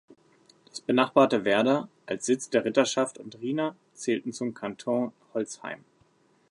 Das benachbarte Wehrda als Sitz der Ritterschaft und Rhina zählten zum Kanton Holzheim.